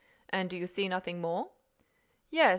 "And do you see nothing more?" "Yes.